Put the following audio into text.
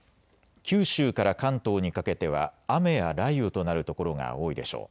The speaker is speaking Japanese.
九州から関東にかけては雨や雷雨となる所が多いでしょう。